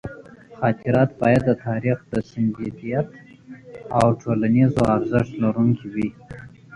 خاطرات باید د تاریخي سندیت او ټولنیز ارزښت لرونکي وي.